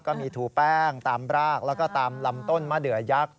ถูแป้งตามรากแล้วก็ตามลำต้นมะเดือยักษ